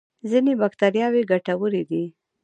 ځینې بکتریاوې ګټورې دي